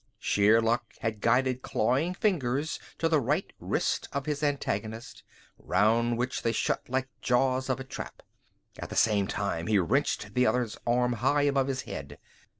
Sheer luck had guided clawing fingers to the right wrist of his antagonist, round which they shut like jaws of a trap. At the same time he wrenched the other's arm high above his head.